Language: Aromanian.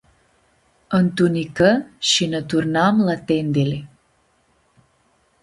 Ãntunicã shi nã turnãm la tendili.